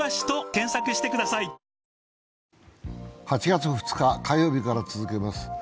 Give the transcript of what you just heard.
８月２日、火曜日から続けます